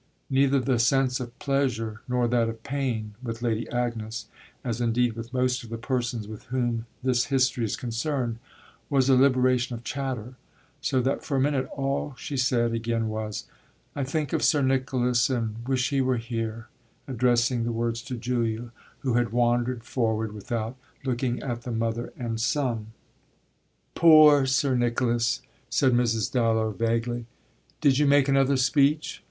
Neither the sense of pleasure nor that of pain, with Lady Agnes as indeed with most of the persons with whom this history is concerned was a liberation of chatter; so that for a minute all she said again was, "I think of Sir Nicholas and wish he were here"; addressing the words to Julia, who had wandered forward without looking at the mother and son. "Poor Sir Nicholas!" said Mrs. Dallow vaguely. "Did you make another speech?"